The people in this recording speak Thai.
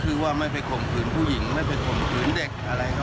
ก็คือว่าไม่เป็นข่มขืนผู้หญิงไม่เป็นข่มขืนเด็กอะไรก็ว่า